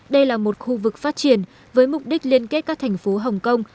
đây là một khu vực phát triển với mục đích liên kết các thành phố hồng kông